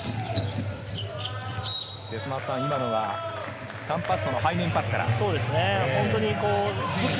節政さん、今のはカンパッソの背面パスから。